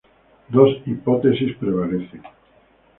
Dos hipótesis prevalecen.